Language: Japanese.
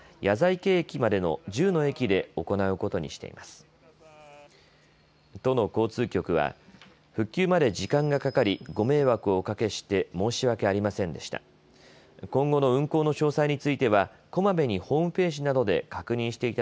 都の交通局は復旧まで時間がかかり、ご迷惑をおかけして申し訳ありませんでした。